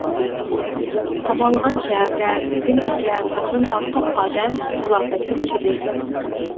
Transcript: قامالغان شەھەردە بۈگۈنگىچە مىڭدىن ئارتۇق ئادەم تالاپەتكە ئۇچرىدى.